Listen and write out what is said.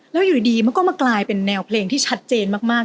แล้วอยู่ดีมันก็มากลายเป็นแนวเพลงที่ชัดเจนมาก